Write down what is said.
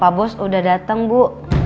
pak bos udah datang bu